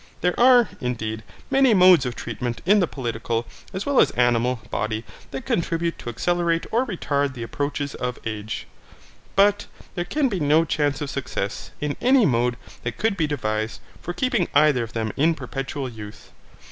There are, indeed, many modes of treatment in the political, as well as animal, body, that contribute to accelerate or retard the approaches of age, but there can be no chance of success, in any mode that could be devised, for keeping either of them in perpetual youth.